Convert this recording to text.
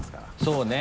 そうね。